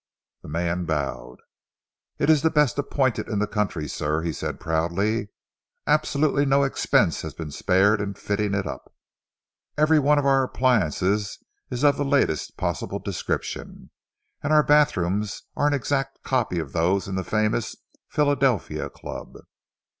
The man bowed. "It is the best appointed in the country, sir," he said proudly. "Absolutely no expense has been spared in fitting it up. Every one of our appliances is of the latest possible description, and our bathrooms are an exact copy of those in a famous Philadelphia club."